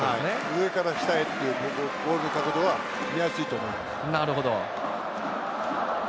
上から下へっていうボールの角度が見やすいと思います。